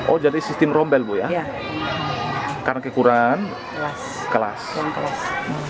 oh jadi sistem rombel bu ya karena kekurangan kelas